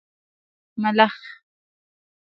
🦗 ملخ